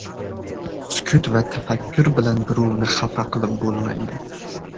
• Sukut va tafakkur bilan birovni xafa qilib bo‘lmaydi.